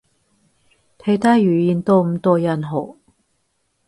其他語言多唔多人學？